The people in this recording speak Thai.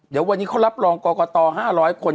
เดี๋ยววันนี้เขารับรองกรกต๕๐๐คน